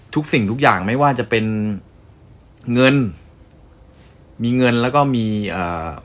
สิ่งทุกอย่างไม่ว่าจะเป็นเงินมีเงินแล้วก็มีอ่า